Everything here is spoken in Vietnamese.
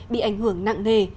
bị ảnh hưởng nặng nề